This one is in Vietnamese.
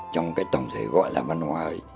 trong cái tổng thể gọi là văn hóa